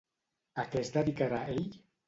A què es dedicarà ell?